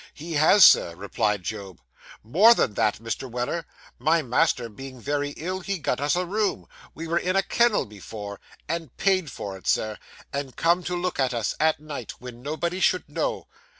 'He has, Sir,' replied Job. 'More than that, Mr. Weller; my master being very ill, he got us a room we were in a kennel before and paid for it, Sir; and come to look at us, at night, when nobody should know.